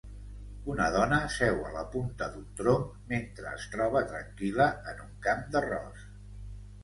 Una dona seu a la punta d'un tronc mentre es troba tranquil·la en un camp d'arròs